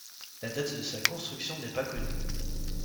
La date de sa construction n'est pas connue.